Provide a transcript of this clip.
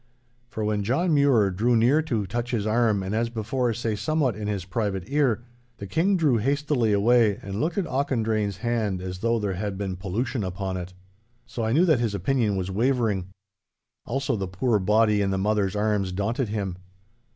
For when John Mure drew near to touch his arm and as before say somewhat in his private ear, the King drew hastily away and looked at Auchendrayne's hand as though there had been pollution upon it. So I knew that his opinion was wavering. Also the poor body in the mother's arms daunted him.